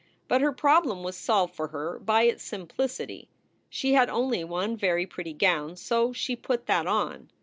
But her problem was solved for her by its simplicity. She had only one very pretty gown, so she put that on.